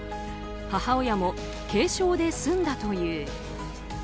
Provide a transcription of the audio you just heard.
母親も軽傷で済んだという。